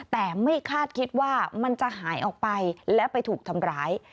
แต่ไม่คาดคิดว่ามันจะหายออกไปและไปถูกทำร้าย